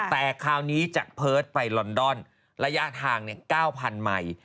แต่คราวนี้จากเพิร์ตไปลอนดอนระยะทาง๙๐๐ไมค์